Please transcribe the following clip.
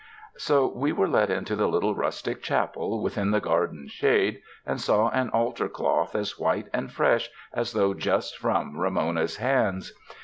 So we were let into the little rustic chapel within the garden's shade, and saw an altar cloth as white and fresh as though just from Ramona's hands.